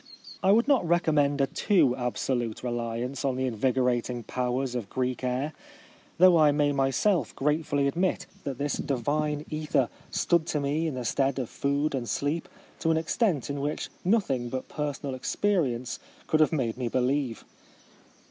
I would not recommend a too absolute reliance on the invigorating powers of Greek air ; though I may myself gratefully admit that this divine ether stood to me in the stead of food and sleep to an extent in which nothing but personal experi ence could have made me believe.